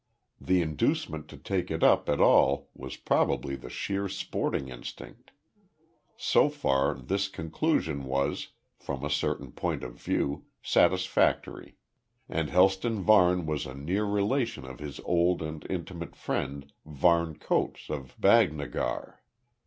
The inducement to take it up at all was probably the sheer sporting instinct. So far, this conclusion was, from a certain point of view, satisfactory. And Helston Varne was a near relation of his old and intimate friend, Varne Coates of Baghnagar.